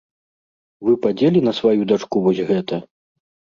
Вы б адзелі на сваю дачку вось гэта?